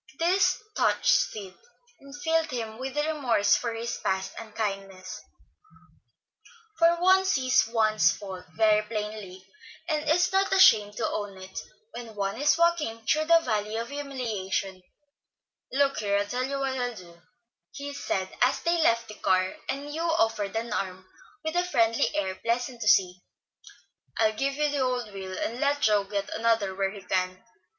This touched Sid, and filled him with remorse for past unkindness; for one sees one's faults very plainly, and is not ashamed to own it, when one is walking through the Valley of Humiliation. "Look here, I'll tell you what I'll do," he said, as they left the car, and Hugh offered an arm, with a friendly air pleasant to see. "I'll give you the old wheel, and let Joe get another where he can.